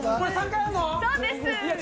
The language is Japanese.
そうです。